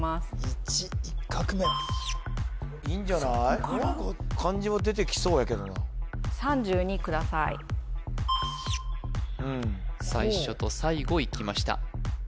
１１画目いいんじゃない漢字は出てきそうやけどなください最初と最後いきました